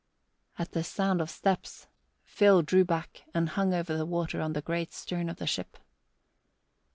At the sound of steps, Phil drew back and hung over the water on the great stern of the ship.